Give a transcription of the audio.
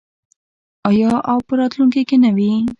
آیا او په راتلونکي کې نه وي؟